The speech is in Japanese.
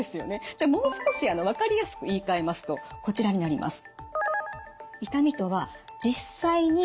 じゃあもう少し分かりやすく言いかえますとこちらになります。